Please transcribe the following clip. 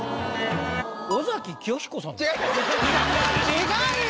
違うよ。